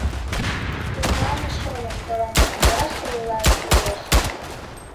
— Тӧрлане, шольым, тыланет илаш да илаш кӱлеш.